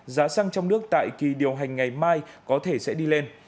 giá xăng trong nước tại kỳ điều hành ngày mai có thể sẽ đi lên